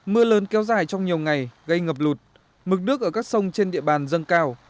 mưa lớn kéo dài trong nhiều ngày gây ngập lụt mực nước ở các sông trên địa bàn dâng cao